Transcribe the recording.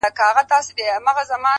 سترګي دي هغسي نسه وې. نسه یي ـ یې کړمه.